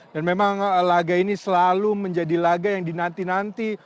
dan memang laga ini selalu menjadi laga yang dinanti nanti